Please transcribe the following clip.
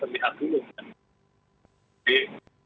harus membangun komunikasi dengan seluruh partai